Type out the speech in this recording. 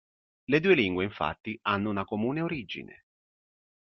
Le due lingue infatti hanno una comune origine.